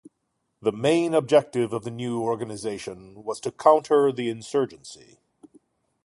The main objective of the new organisation was to counter the insurgency.